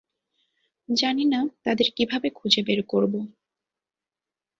জানিনা তাদের কিভাবে খুঁজে বের করব।